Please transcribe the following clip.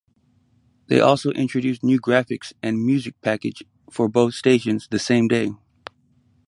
They also introduced new graphics and music package for both stations the same day.